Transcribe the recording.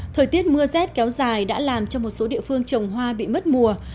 thời tiết mưa rét kéo dài đã làm cho một số địa phương trồng hoa bị mất mùa